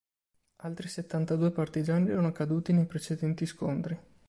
Altri settantadue partigiani erano caduti nei precedenti scontri.